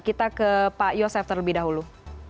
kita ke pak yosef terlebih dahulu